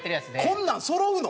こんなんそろうの？